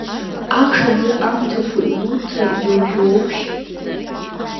Ахш аӡы амҭакәа илуҭар илжәуоушь?